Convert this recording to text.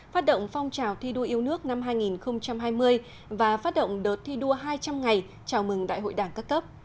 phát động phong trào thi đua yêu nước năm hai nghìn hai mươi và phát động đợt thi đua hai trăm linh ngày chào mừng đại hội đảng các cấp